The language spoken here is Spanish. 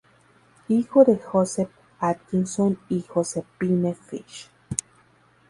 Hijo de Joseph Atkinson y Josephine Fish.